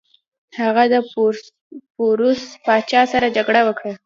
هغه د پوروس پاچا سره جګړه وکړه.